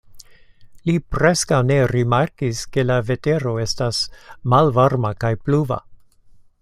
Li preskaŭ ne rimarkis, ke la vetero estas malvarma kaj pluva.